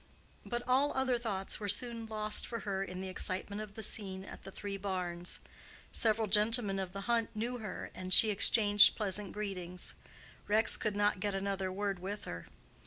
But all other thoughts were soon lost for her in the excitement of the scene at the Three Barns. Several gentlemen of the hunt knew her, and she exchanged pleasant greetings. Rex could not get another word with her.